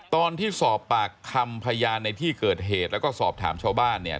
ตอนที่สอบปากคำพยานในที่เกิดเหตุแล้วก็สอบถามชาวบ้านเนี่ย